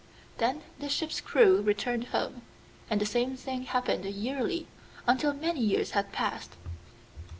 Then the ship's crew returned home, and the same thing happened yearly until many years had passed.